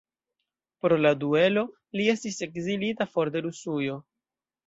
Pro la duelo li estis ekzilita for de Rusujo.